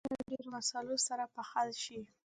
ښوروا له ډېرو مصالحو سره پخه شي.